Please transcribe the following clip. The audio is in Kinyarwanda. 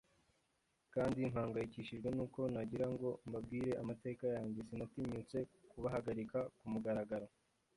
kandi mpangayikishijwe nuko nagira ngo mbabwire amateka yanjye, sinatinyutse kubahagarika kumugaragaro.